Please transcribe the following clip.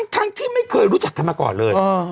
ที่ไม่เคยรู้จักกันมาก่อนเลย